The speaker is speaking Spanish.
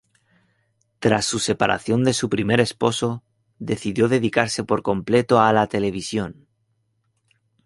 Tras su separación de su primer esposo, decidió dedicarse por completo a la televisión.